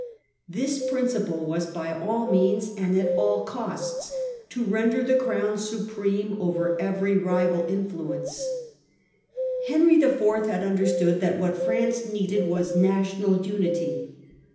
This principle was by all means and at all costs to render the Crown supreme over every rival influence. Henry IV. had understood that what France needed was national unity.